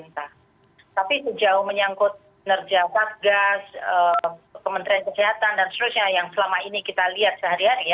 tapi sejauh menyangkut penerja wakgas pemerintah kesehatan dan selanjutnya yang selama ini kita lihat sehari hari ya